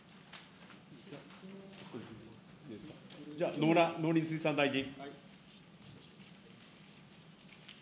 野村農林水産大臣。